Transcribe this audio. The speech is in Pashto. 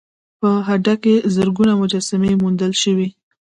په هډه کې زرګونه مجسمې موندل شوي